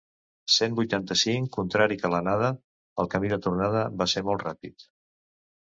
Cent vuitanta-cinc contrari que l'anada, el camí de tornada va ser molt ràpid.